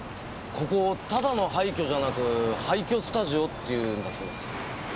ここただの廃墟じゃなく廃墟スタジオっていうんだそうです。